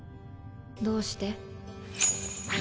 どうして？